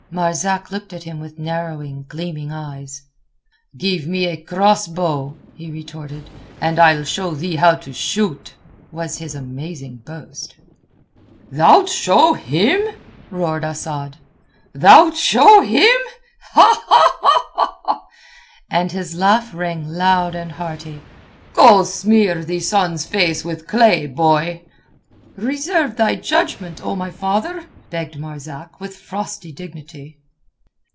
Marzak looked at him with narrowing, gleaming eyes. "Give me a cross bow," he retorted, "and I'll show thee how to shoot," was his amazing boast. "Thou'lt show him?" roared Asad. "Thou'lt show him!" And his laugh rang loud and hearty. "Go smear the sun's face with clay, boy." "Reserve thy judgment, O my father," begged Marzak, with frosty dignity.